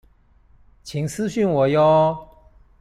請私訊我唷